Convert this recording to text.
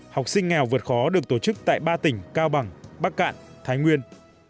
học sinh nghèo vượt khó được tổ chức tại ba tỉnh cao bằng bắc cạn thái nguyên